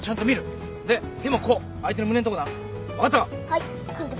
はい監督。